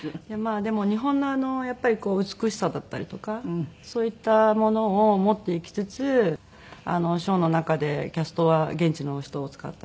でも日本の美しさだったりとかそういったものを持っていきつつショーの中でキャストは現地の人を使ったりとか。